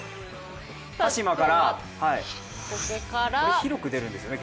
鹿島から、広く出るんですよね